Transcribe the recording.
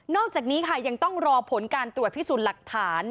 อกจากนี้ค่ะยังต้องรอผลการตรวจพิสูจน์หลักฐาน